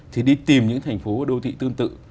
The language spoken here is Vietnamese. thì đi tìm những thành phố đô thị tương tự